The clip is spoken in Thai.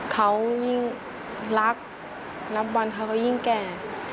เขายิ่งรักนับวันเขาก็ยิ่งแก่